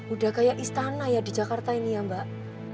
udah kayak istana ya di jakarta ini ya mbak